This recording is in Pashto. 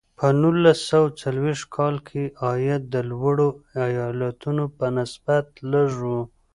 په نولس سوه څلویښت کال کې عاید د نورو ایالتونو په نسبت لږ و.